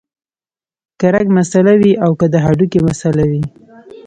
کۀ رګ مسئله وي او کۀ د هډوکي مسئله وي